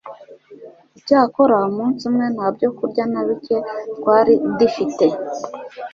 icyakora umunsi umwe nta byokurya na bike twari difite